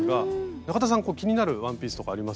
中田さん気になるワンピースとかあります？